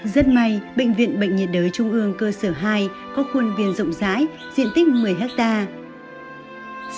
rất may bệnh viện bệnh nhiệt đới trung ương cơ sở hai có khuôn viên rộng rãi diện tích một mươi hectare